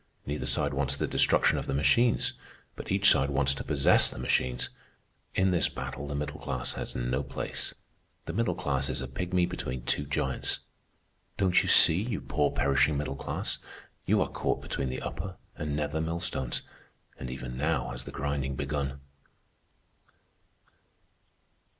Neither side wants the destruction of the machines. But each side wants to possess the machines. In this battle the middle class has no place. The middle class is a pygmy between two giants. Don't you see, you poor perishing middle class, you are caught between the upper and nether millstones, and even now has the grinding begun.